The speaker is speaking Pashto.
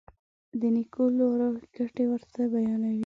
د نېکو لارو ګټې ورته بیانوي.